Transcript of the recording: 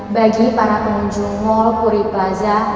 bagi para pengunjung mall puripaza